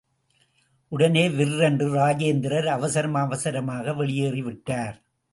உடனே விர்ரென்று ராஜேந்திரர் அவசரம் அவசரமாக வெளியேறிவிட்டார்.